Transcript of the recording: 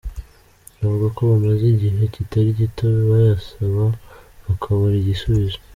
Bavuga ko bamaze igihe kitari gito bayasaba bakabura igisubizo.